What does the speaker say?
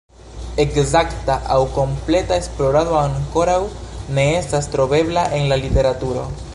Ekzakta aŭ kompleta esplorado ankoraŭ ne estas trovebla en la literaturo.